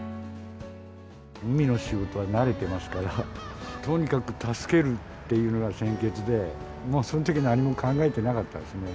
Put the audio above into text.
海の仕事は慣れてますから、とにかく助けるっていうのが先決で、そのときは何も考えてなかったですね。